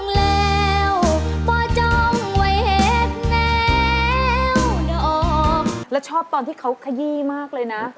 แล้วชอบตอนที่เขาขยี้มากเลยนะ